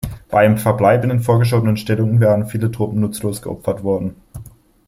Bei einem Verbleib in den vorgeschobenen Stellungen wären viele Truppen nutzlos geopfert worden.